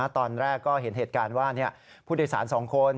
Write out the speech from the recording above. ตอนแรกก็เห็นเหตุการณ์ว่าผู้โดยสาร๒คน